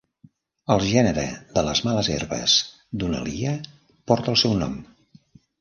El gènere de les males herbes "Dunalia" porta el seu nom.